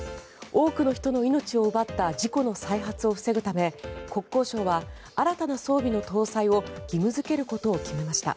多くの人の命を奪った事故の再発を防ぐため国交省は新たな装備の搭載を義務付けることを決めました。